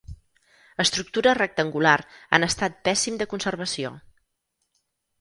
Estructura rectangular en estat pèssim de conservació.